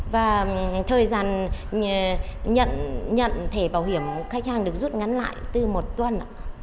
và thời gian nhận thẻ bảo hiểm khách hàng được rút ngắn lại từ một tuần